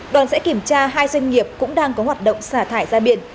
đoàn sẽ kiểm tra hai doanh nghiệp cũng đang có hoạt động xả thải ra biển